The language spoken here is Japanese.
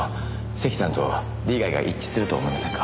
関さんと利害が一致すると思いませんか？